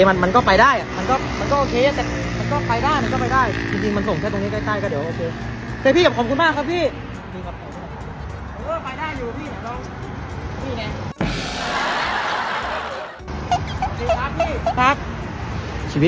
มันมันก็ไปได้อ่ะมันก็มันก็โอเคอ่ะแต่มันก็ไปได้มันก็ไปได้